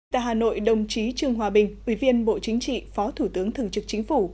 tại hà nội đồng chí trương hòa bình ủy viên bộ chính trị phó thủ tướng thường trực chính phủ